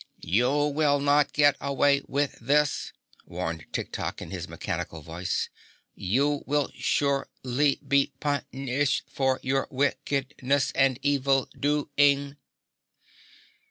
"You will not get a way with this," warned Tik Tok in his mechanical voice. "You will sure ly be pun ish ed for your wick ed ness and e vil do ing."